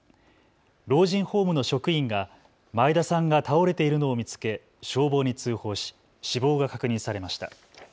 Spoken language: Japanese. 老人ホームの職員が前田さんが倒れているのを見つけ、消防に通報し死亡が確認されました。